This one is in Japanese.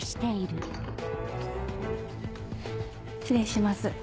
失礼します。